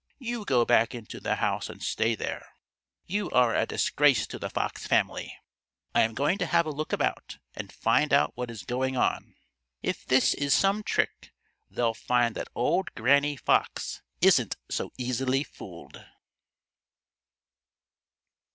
You go back into the house and stay there. You are a disgrace to the Fox family. I am going to have a look about and find out what is going on. If this is some trick, they'll find that old Granny Fox isn't so easily fooled."